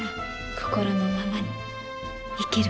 心のままに生きること。